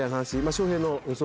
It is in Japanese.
翔平の予想